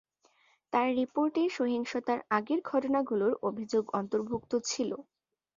তার রিপোর্টে সহিংসতার আগের ঘটনাগুলোর অভিযোগ অন্তর্ভুক্ত ছিল।